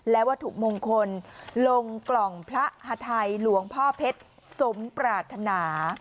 และวัตถุมงคลลงกล่องพระฮาไทยหลวงพ่อเพชรสมปรารถนา